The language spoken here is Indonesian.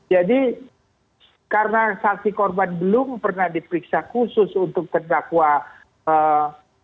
jadi karena saksi korban belum pernah diperiksa khusus untuk terdakwah